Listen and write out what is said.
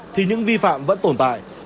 thì những vi phạm vẫn tồn tại